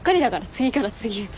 次から次へと。